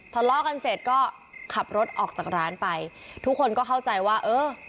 ทะเลาะกันเสร็จก็ขับรถออกจากร้านไปทุกคนก็เข้าใจว่าเออ